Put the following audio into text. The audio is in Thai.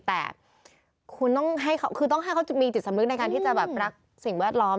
แต่คุณต้องให้คือต้องให้เขามีจิตสำนึกในการที่จะแบบรักสิ่งแวดล้อม